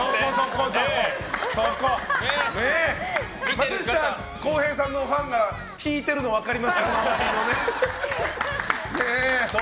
松下洸平さんのファンが引いてるの分かりますかね。